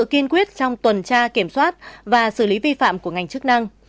với sự kiên quyết trong tuần tra kiểm soát và xử lý vi phạm của ngành chức năng